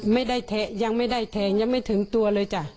ไม่ได้แทะยังไม่ได้แทงยังไม่ถึงตัวเลยจ้ะ